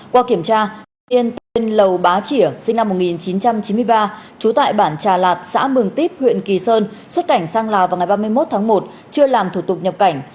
qua kiểm tra yên tên lầu bá chỉa sinh năm một nghìn chín trăm chín mươi ba trú tại bản trà lạt xã mường tiếp huyện kỳ sơn xuất cảnh sang lào vào ngày ba mươi một tháng một chưa làm thủ tục nhập cảnh